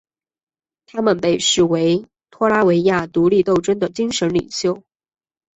他们被视为拉脱维亚独立斗争的精神领袖。